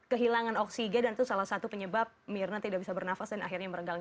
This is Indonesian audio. kehilangan oksigen dan itu salah satu penyebab mirna tidak bisa bernafas dan akhirnya merenggang